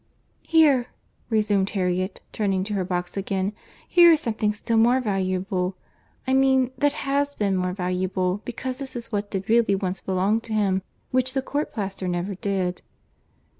"Here," resumed Harriet, turning to her box again, "here is something still more valuable, I mean that has been more valuable, because this is what did really once belong to him, which the court plaister never did."